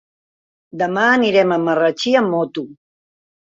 Demà anirem a Marratxí amb moto.